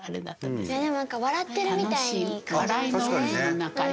でも何か笑ってるみたいに。